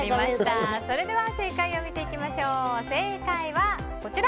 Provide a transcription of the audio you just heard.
それでは正解を見ていきましょう。